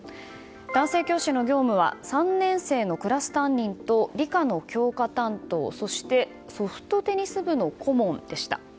男性教師の業務は３年生のクラス担任と理科の教科担当、そしてソフトテニス部の顧問でした。